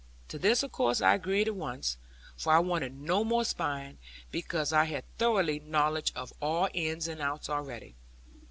To this, of course, I agreed at once; for I wanted no more spying, because I had thorough knowledge of all ins and outs already.